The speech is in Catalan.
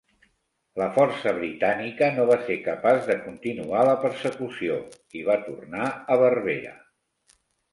La força britànica no va ser capaç de continuar la persecució, i va tornar a Berbera.